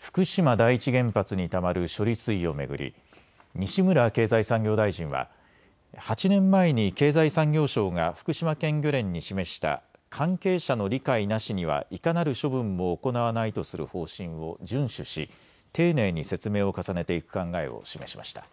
福島第一原発にたまる処理水を巡り西村経済産業大臣は８年前に経済産業省が福島県漁連に示した関係者の理解なしにはいかなる処分も行わないとする方針を順守し丁寧に説明を重ねていく考えを示しました。